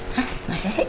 hah mas syaseat